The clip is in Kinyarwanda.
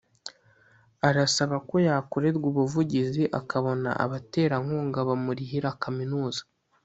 Arasaba ko yakorerwa ubuvugizi akabona abaterankungu bamurihira kaminuza